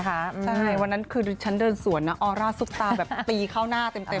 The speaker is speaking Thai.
ใช่วันนั้นคือฉันเดินสวนนะออร่าซุปตาแบบตีเข้าหน้าเต็ม